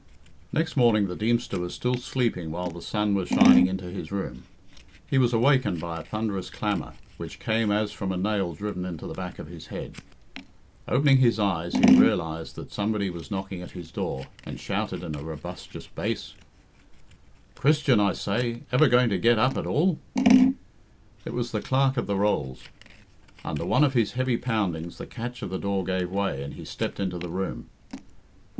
Next morning the Deemster was still sleeping while the sun was shining into his room. He was awakened by a thunderous clamour, which came as from a nail driven into the back of his head. Opening his eyes, he realised that somebody was knocking at his door, and shouting in a robustious bass "Christian, I say! Ever going to get up at all?" It was the Clerk of the Rolls. Under one of his heavy poundings the catch of the door gave way, and he stepped into the room.